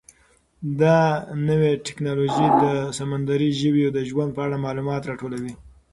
دا نوې ټیکنالوژي د سمندري ژویو د ژوند په اړه معلومات راټولوي.